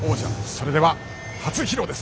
それでは、初披露です。